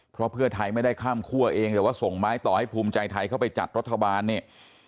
เพราะเพื่อไทยไม่ได้ข้ามคั่วเองแต่ว่าส่งไม้ต่อให้ภูมิใจไทยเข้าไปจัดรัฐบาลเนี่ย